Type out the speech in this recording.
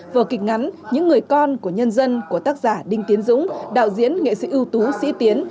vở kịch ngắn những người con của nhân dân của tác giả đinh tiến dũng đạo diễn nghệ sĩ ưu tú sĩ tiến